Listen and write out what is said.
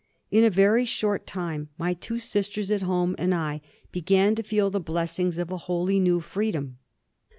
In a very short time my two sisters at home and I began to feel the blessings of a wholly new freedom.